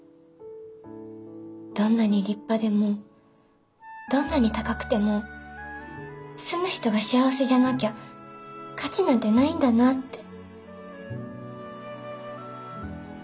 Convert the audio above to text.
どんなに立派でもどんなに高くても住む人が幸せじゃなきゃ価値なんてないんだなって。